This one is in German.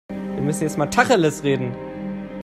Wir müssen jetzt mal Tacheles reden.